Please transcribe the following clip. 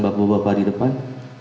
bapak bapak di depan